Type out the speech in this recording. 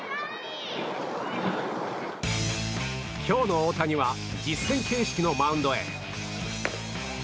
今日の大谷は実戦形式のマウンドへ。